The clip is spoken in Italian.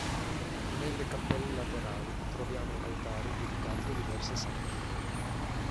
Nelle cappelle laterali troviamo altari dedicati a diversi santi.